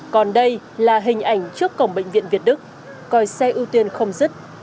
còn đây là hình ảnh trước cổng bệnh viện việt đức coi xe ưu tiên không dứt